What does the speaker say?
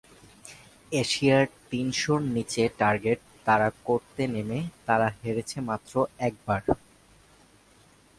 এশিয়ায় তিন শর নিচে টার্গেট তাড়া করতে নেমে তাঁরা হেরেছে মাত্র একবার।